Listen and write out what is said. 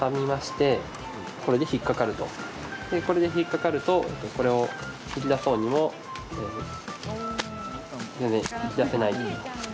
これで引っ掛かるとこれを引き出そうにも全然、引き出せない。